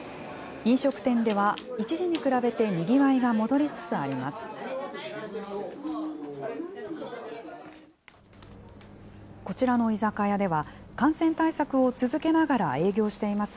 飲食店では、一時に比べてにぎわいが戻りつつあります。